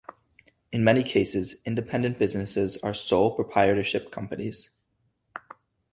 In many cases, independent businesses are sole proprietorship companies.